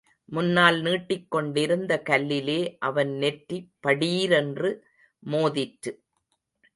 முன்னால் நீட்டிக் கொண்டிருந்த கல்லிலே அவன் நெற்றி படீரென்று மோதிற்று.